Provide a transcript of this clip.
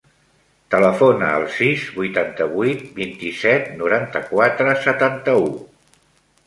Telefona al sis, vuitanta-vuit, vint-i-set, noranta-quatre, setanta-u.